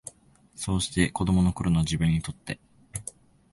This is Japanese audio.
そうして、子供の頃の自分にとって、